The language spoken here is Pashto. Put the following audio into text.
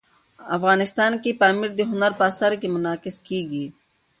افغانستان کې پامیر د هنر په اثار کې منعکس کېږي.